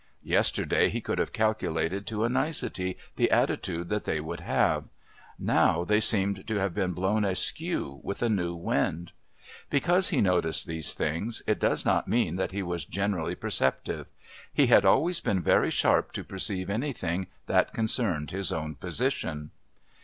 Yesterday he could have calculated to a nicety the attitude that they would have; now they seemed to have been blown askew with a new wind. Because he noticed these things it does not mean that he was generally perceptive. He had always been very sharp to perceive anything that concerned his own position.